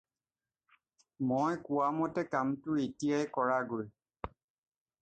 মই কোৱামতে কামটো এতিয়াই কৰাগৈ।